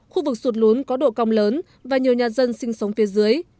khu vực sụt lún có độ cong lớn và nhiều nhà dân sinh sống phía dưới